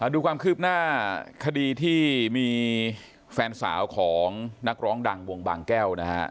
ดูความคืบหน้าคดีที่มีแฟนสาวของนักร้องดังวงบางแก้วนะฮะ